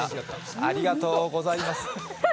ありがとうこざいます。